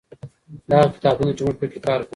دا هغه کتابتون دئ چي موږ پکي کار کوو.